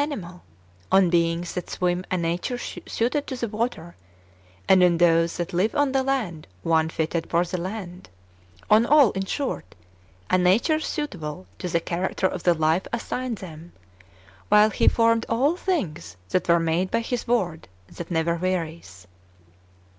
123 angelical, on animals an animal, on beings that swim a nature suited to the water, and on those that live on the land one fitted for the land — on all, in short, a nature suitable to the character of the life assigned them — wdiile He formed all things that were made by Ilis Word that never wearies.